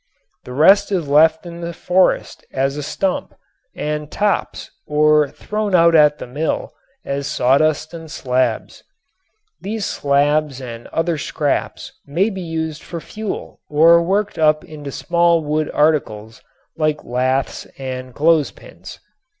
The rest is left in the forest as stump and tops or thrown out at the mill as sawdust and slabs. The slabs and other scraps may be used as fuel or worked up into small wood articles like laths and clothes pins.